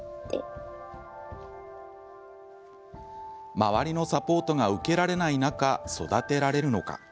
周りのサポートが受けられない中育てられるのか。